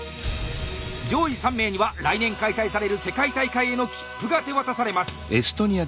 上位３名には来年開催される世界大会への切符が手渡されます。